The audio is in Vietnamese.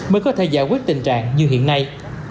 mới có thể giải quyết tình trạng như hiện nay